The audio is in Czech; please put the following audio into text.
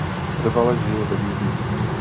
Trvale žije ve Vídni.